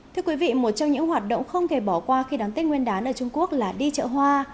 thưa quý vị một trong những hoạt động không thể bỏ qua khi đón tết nguyên đán ở trung quốc là đi chợ hoa